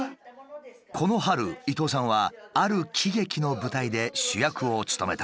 この春伊東さんはある喜劇の舞台で主役を務めた。